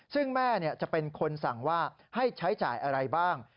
ซึ่งแม่จะเป็นคนสั่งว่าให้ใช้จ่ายอะไรบ้าง